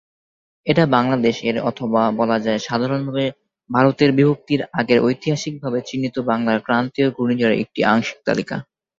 এটা বাংলাদেশ এর অথবা বলাযায় সাধারণভাবে ভারতের বিভক্তির আগের ঐতিহাসিক ভাবে চিহ্নিত বাংলার ক্রান্তীয় ঘূর্ণিঝড়ের একটি আংশিক তালিকা।